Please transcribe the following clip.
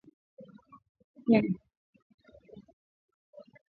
Pia kundi liliahidi ushirika na na kundi la dola ya Kiislamu mwaka elfu mbili kumi na tisa